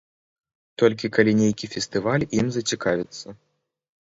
Толькі калі нейкі фестываль ім зацікавіцца.